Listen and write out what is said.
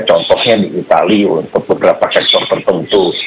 contohnya di itali untuk beberapa sektor tertentu